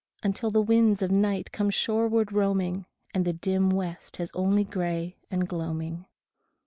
Until the winds of night come shoreward roaming, And the dim west has only gray and gloaming.